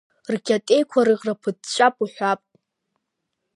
Ркьатеиқәа рыӷраԥыҵәҵәап уҳәап!